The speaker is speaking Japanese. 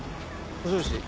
もしもし？